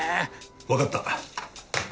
わかった。